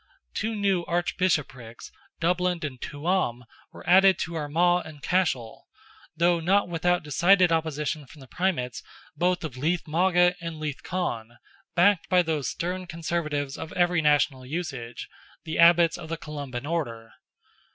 Two new Archbishoprics, Dublin and Tuam, were added to Armagh and Cashel, though not without decided opposition from the Primates both of Leath Mogha and Leath Conn, backed by those stern conservatives of every national usage, the Abbots of the Columban Order.